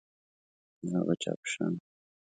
د هغه چا په شان